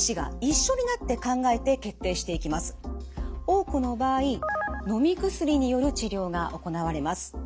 多くの場合のみ薬による治療が行われます。